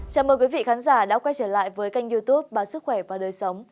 chào mừng quý vị khán giả đã quay trở lại với kênh youtube báo sức khỏe và đời sống